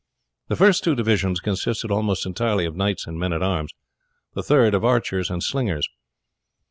The first two divisions consisted almost entirely of knights and men at arms; the third, of archers and slingers.